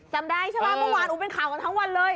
จำได้ใช่มั้ยวางอุ้บเป็นขาวทั้งวันเลย